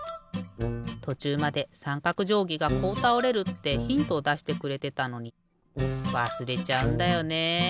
とちゅうまでさんかくじょうぎがこうたおれるってヒントをだしてくれてたのにわすれちゃうんだよね。